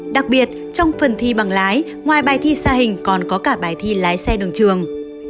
đặc biệt trong phần thi bằng lái ngoài bài thi xa hình còn có cả bài thi lái xe đường trường